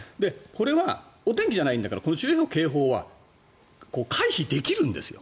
これはお天気じゃないんだからこの注意報、警報は回避できるんですよ。